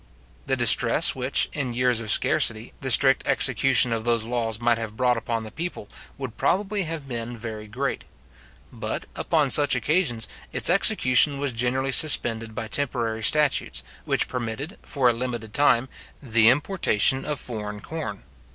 The distress which, in years of scarcity, the strict execution of those laws might have brought upon the people, would probably have been very great; but, upon such occasions, its execution was generally suspended by temporary statutes, which permitted, for a limited time, the importation of foreign corn.